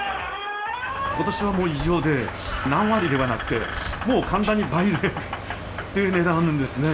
ことしはもう異常で、何割ではなくて、もう簡単に倍でっていう値段ですね。